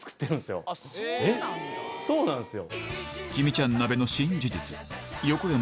そうなんですよ。